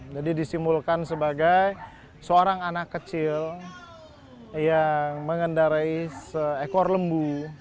jadi disimulkan sebagai seorang anak kecil yang mengendarai seekor lembu